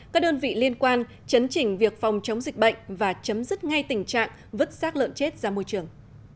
các đơn vị liên quan chấn chỉnh việc phòng chống dịch bệnh và chấm dứt ngay tình trạng vứt sát lợn chết ra môi trường